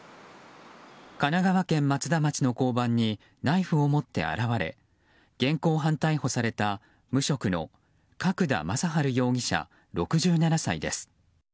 神奈川県松田町の交番にナイフを持って現れ現行犯逮捕された、無職の角田正治容疑者、６７歳です。